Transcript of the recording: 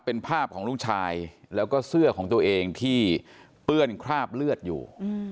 เป็นภาพของลูกชายแล้วก็เสื้อของตัวเองที่เปื้อนคราบเลือดอยู่